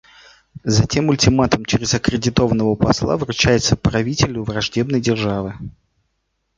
Затем ультиматум через аккредитованного посла вручается правителю враждебной державы.